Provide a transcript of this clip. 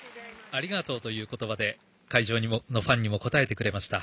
ありがとうという言葉で会場のファンにも応えてくれました。